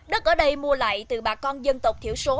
đất ở đây mua lại từ bà con dân tộc thiểu số